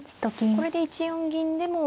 これで１四銀でも。